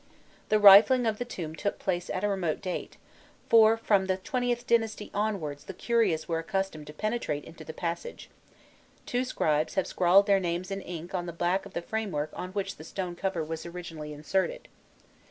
The rifling of the tomb took place at a remote date, for from the XXth dynasty onwards the curious were accustomed to penetrate into the passage: two scribes have scrawled their names in ink on the back of the framework in which the stone cover was originally inserted.